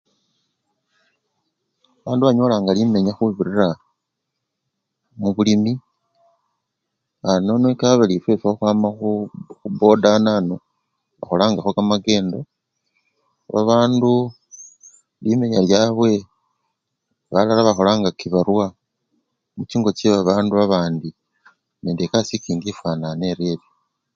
Bandu banyolanga limenya khubirira munaa! mubulimi aa! nono kabari efwefwe khukhwama khu! khuboda anano, khukholangakho kamakendo, babandu limenya lwabwe babandu bakholanga kibarwa muchingo chebabandu babandi nende ekasii ekindi efwanane eryeryo.